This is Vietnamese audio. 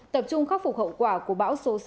tập trung khắc phục hậu quả của bão số sáu